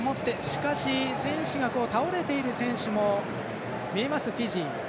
しかし、倒れている選手も見えますフィジー。